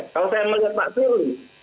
kalau saya melihat pak firly